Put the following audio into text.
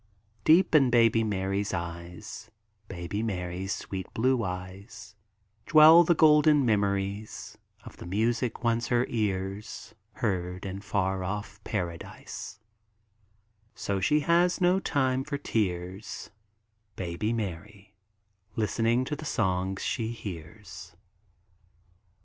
Deep in baby Mary's eyes, Baby Mary's sweet blue eyes, Dwell the golden memories Of the music once her ears Heard in far off Paradise; So she has no time for tears, Baby Mary, Listening to the songs she hears.